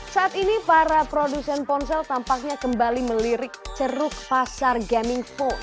saat ini para produsen ponsel tampaknya kembali melirik ceruk pasar gaming phone